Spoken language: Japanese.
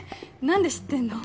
何で知ってんの？